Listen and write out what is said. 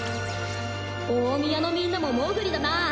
大宮のみんなもモグリだなぁ。